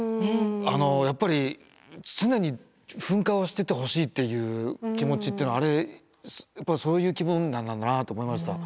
やっぱり常に噴火をしててほしいっていう気持ちっていうのはあれやっぱそういう気分なんだなと思いました。